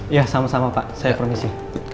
ya sama sama pak saya permisi